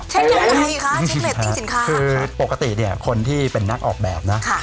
อะไรคะเช็คเรตติ้งสินค้าคือปกติเนี่ยคนที่เป็นนักออกแบบนะ